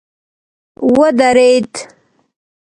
ودريد.